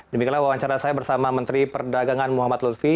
demikianlah wawancara saya bersama menteri perdagangan muhammad lutfi